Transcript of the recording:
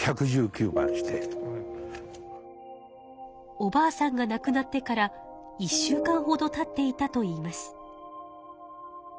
おばあさんがなくなってから１週間ほどたっていたといいます。